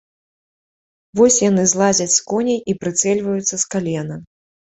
Вось яны злазяць з коней і прыцэльваюцца з калена.